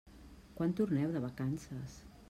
Quan torneu de vacances?